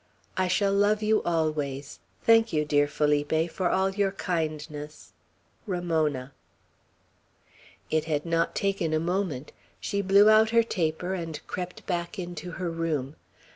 I shall love you always. Thank you, dear Felipe, for all your kindness. "RAMONA." It had not taken a moment. She blew out her taper, and crept back into her room.